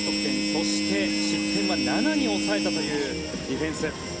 そして、失点は７に抑えたというディフェンス。